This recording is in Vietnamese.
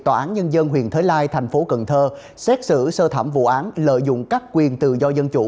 tòa án nhân dân huyện thới lai thành phố cần thơ xét xử sơ thẩm vụ án lợi dụng các quyền tự do dân chủ